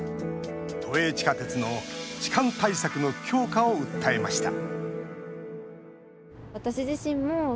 都営地下鉄の痴漢対策の強化を訴えました